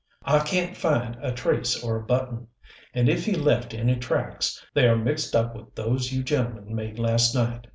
I can't find a trace or a button. And if he left any tracks they are mixed up with those you gentlemen made last night."